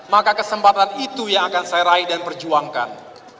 maka kesempatan itu yang akan saya raih dan perjuangkan